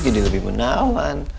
jadi lebih menawan